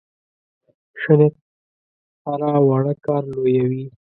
ښه نیت هره وړه کار لویوي.